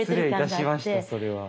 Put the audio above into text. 失礼いたしましたそれは。